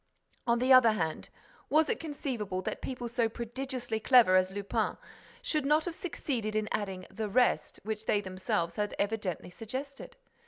—On the other hand, was it conceivable that people so prodigiously clever as Lupin should not have succeeded in adding 'the rest,' which they themselves had evidently suggested?